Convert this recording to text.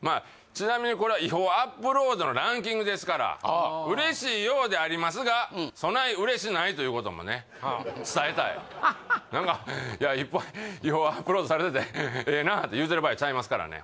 ちなみにこれは違法アップロードのランキングですから嬉しいようでありますがそない嬉しないということもね伝えたい何かいっぱい違法アップロードされててええなって言うてる場合ちゃいますからね